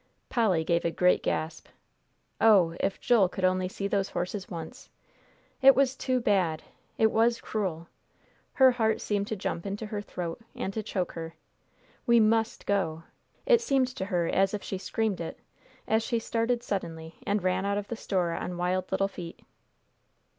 Polly gave a great gasp. "Oh, if Joel could only see those horses once! It was too bad it was cruel." Her heart seemed to jump into her throat, and to choke her. "We must go!" It seemed to her as if she screamed it, as she started suddenly and ran out of the store on wild little feet.